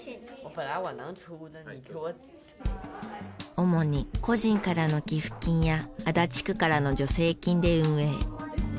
主に個人からの寄付金や足立区からの助成金で運営。